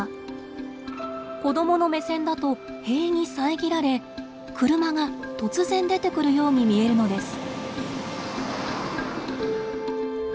子どもの目線だと塀に遮られ車が突然出てくるように見えるのです。